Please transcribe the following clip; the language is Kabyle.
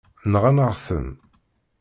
Nɣan-aɣ-ten.